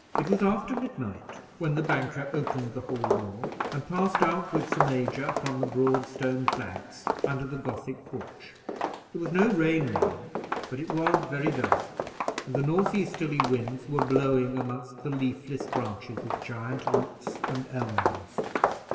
It was after midnight when the banker opened the hall door, and passed out with the Major upon the broad stone flags under the Gothic porch. There was no rain now; but it was very dark, and the north easterly winds were blowing amongst the leafless branches of giant oaks and elms.